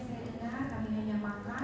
pada waktu menawarkan